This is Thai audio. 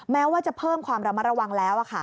แม้ว่าจะเพิ่มความระมัดระวังแล้ว